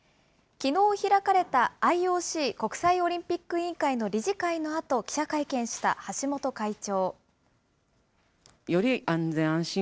きのう開かれたＩＯＣ・国際オリンピック委員会の理事会のあと、記者会見した橋本会長。